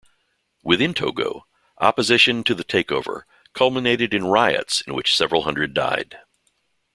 Within Togo, opposition to the takeover culminated in riots in which several hundred died.